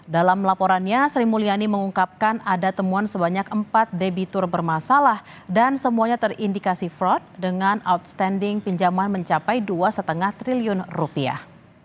dalam laporannya sri mulyani mengungkapkan ada temuan sebanyak empat debitur bermasalah dan semuanya terindikasi fraud dengan outstanding pinjaman mencapai dua lima triliun rupiah